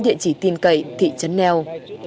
địa chỉ tin cậy thị trấn neo